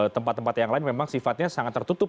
tempat tempat yang lain memang sifatnya sangat tertutup